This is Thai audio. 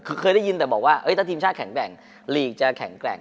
คือเคยได้ยินแต่บอกว่าถ้าทีมชาติแข็งแกร่งลีกจะแข็งแกร่ง